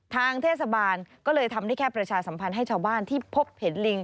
ทางเทศบาลก็เลยทำได้แค่ประชาสัมพันธ์ให้ชาวบ้านที่พบเห็นลิง